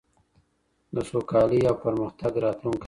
د سوکالۍ او پرمختګ راتلونکی.